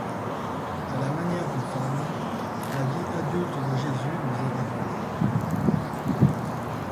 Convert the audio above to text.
À la manière d'une fable, la vie adulte de Jésus nous est racontée.